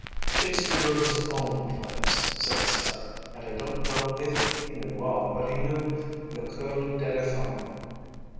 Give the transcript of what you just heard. "Shakespeare wrote his own plays," said Sciarra, "and I don't know if he knew law, but he knew le coeur de la femme.